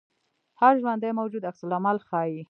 هر ژوندی موجود عکس العمل ښيي